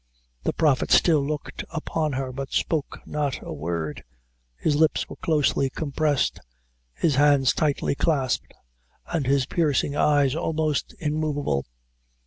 The Prophet still looked upon her, but spoke not a word; his lips were closely compressed, his hands tightly clasped, and his piercing eyes almost immovable.